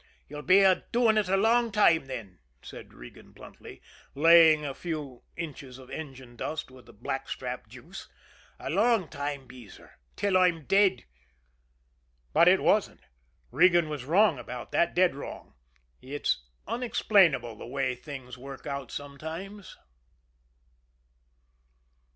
'" "You'll be doing it a long time, then," said Regan bluntly, laying a few inches of engine dust with blackstrap juice; "a long time, Beezer till I'm dead." But it wasn't. Regan was wrong about that, dead wrong. It's unexplainable the way things work out sometimes!